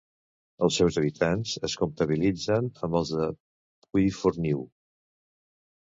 Els seus habitants es comptabilitzaven amb els de Puiforniu.